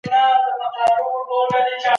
څېړونکي په لابراتوار کي نوي تجربې ترسره کوي.